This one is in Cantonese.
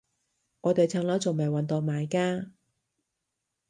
我哋層樓仲未搵到買家